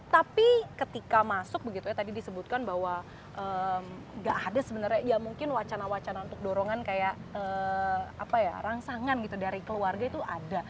tapi ketika masuk begitu ya tadi disebutkan bahwa gak ada sebenarnya ya mungkin wacana wacana untuk dorongan kayak apa ya rangsangan gitu dari keluarga itu ada